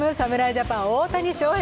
ジャパン・大谷翔平